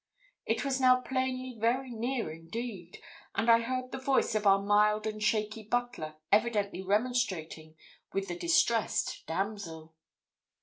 It was now plainly very near indeed, and I heard the voice of our mild and shaky butler evidently remonstrating with the distressed damsel.